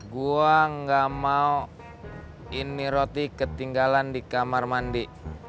gue gak mau ini roti ketinggalan di kamar mandi